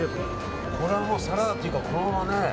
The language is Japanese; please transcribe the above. これはサラダっていうかこのままね。